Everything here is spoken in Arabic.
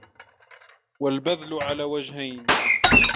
وَالْبَذْلُ عَلَى وَجْهَيْنِ